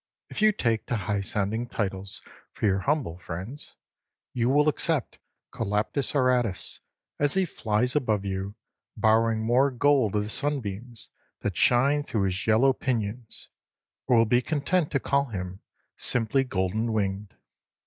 If you take to high sounding titles for your humble friends, you will accept Colaptes auratus, as he flies above you, borrowing more gold of the sunbeams that shine through his yellow pinions, or will be content to call him simply golden winged.